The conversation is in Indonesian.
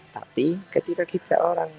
tapi ketika kita orang